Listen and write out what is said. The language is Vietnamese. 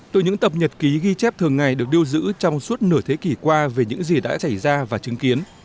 từ những tập nhật ký ghi chép thường ngày được điêu giữ trong suốt nửa thế kỷ qua về những gì đã xảy ra và chứng kiến